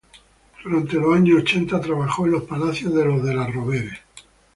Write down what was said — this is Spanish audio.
Durante los años ochenta trabajó en los palacios de los Della Rovere.